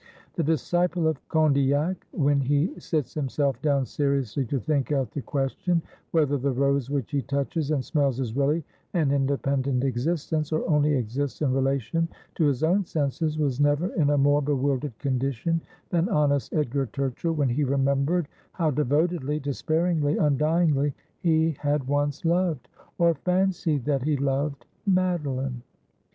The disciple of Condillac, when he sits himself down seriously to think out the question whether the rose which he touches and smells is really an independent existence, or only exists in rela tion to his own senses, was never in a more bewildered condition than honest Edgar Turchill when he remembered how devotedly, despairingly, undyingly, he had once loved— or fancied that he loved — Madeline.